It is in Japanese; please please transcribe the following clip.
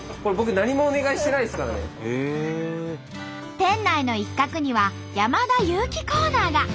店内の一角には山田裕貴コーナーが。